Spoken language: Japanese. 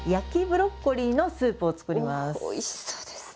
おいしそうですね。